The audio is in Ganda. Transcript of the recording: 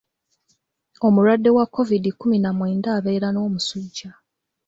Omulwadde wa Kovidi kkumi na mwenda abeera n'omusujja.